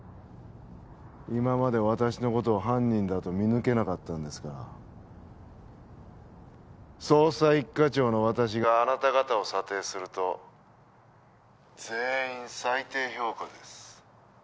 今まで私のことを犯人だと見抜けなかったんですから捜査一課長の私があなた方を査定すると全員最低評価です